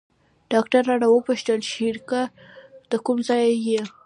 ډاکتر رانه وپوښتل شريکه د کوم ځاى يې.